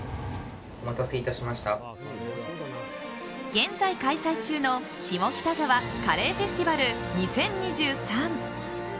現在、開催中の下北沢カレーフェスティバル２０２３。